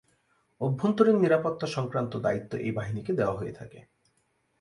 অভ্যন্তরীণ নিরাপত্তা সংক্রান্ত দায়িত্ব এই বাহিনীকে দেওয়া হয়ে থাকে।